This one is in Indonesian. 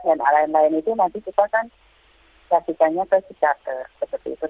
dan lain lain itu nanti kita kan kasihkannya ke psikolog